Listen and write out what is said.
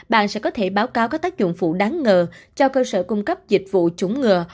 bạn sẽ có thể báo cáo có tác dụng phụ đáng ngờ cho cơ sở cung cấp dịch vụ chống ngừa